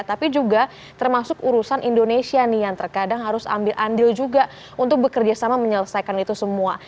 tapi juga termasuk urusan indonesia nih yang terkadang harus ambil andil juga untuk bekerja sama menyelesaikan itu semua